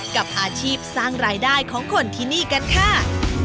กับอาชีพสร้างรายได้ของคนที่นี่กันค่ะ